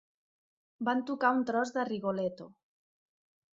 Van tocar un tros de Rigoletto.